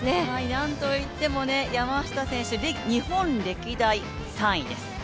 何といっても山下選手、日本歴代３位です。